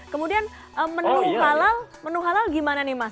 kemudian menu halal gimana nih mas